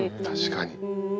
確かに。